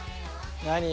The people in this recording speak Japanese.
何？